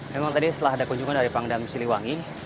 memang tadi setelah ada kunjungan dari pangdam siliwangi